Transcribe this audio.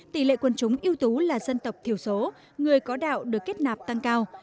tỷ lệ quân chúng yếu tố là dân tộc thiểu số người có đạo được kết nạp tăng cao